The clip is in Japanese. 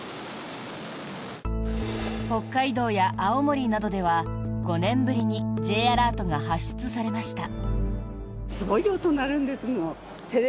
北海道や青森などでは５年ぶりにＪアラートが発出されました。